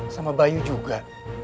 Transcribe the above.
sama bayu juga